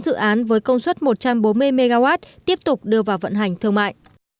bốn dự án với công suất một trăm bốn mươi mw tiếp tục đưa vào vận hành thương mại